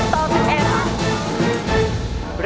๑๑ต่อ๑๑ครับ